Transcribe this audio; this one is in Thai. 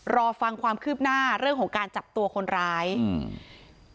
รอฟังความคืบหน้าเรื่องของการจับตัวคนร้ายอืม